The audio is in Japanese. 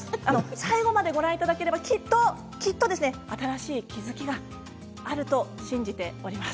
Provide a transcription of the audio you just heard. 最後までご覧いただければきっときっと新しい気付きがあると信じております。